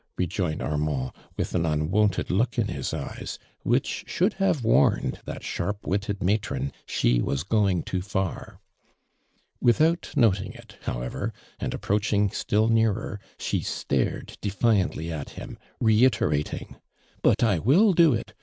rejoined Armand, with an unwonted: AKMANU DURAND. 57 Is Ir It look in his eyes wliich should have warned that sliarp Avitted matron she was goin^ too far. Without noting it however and approach ing still neai'er, she stared defiantly at him, reiterating: " But I will do it.